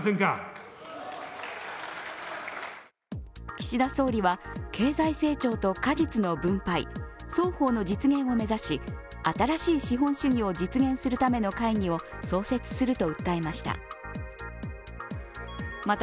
岸田総理は、経済成長と果実の分配、双方の実現を目指し新しい資本主義を実現するための会議を創設すると訴えました。